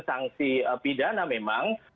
sanksi pidana memang